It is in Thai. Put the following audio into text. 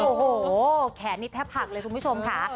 โอ้โหแขนนี้แทบหักเลยคุณผู้ชมค่ะ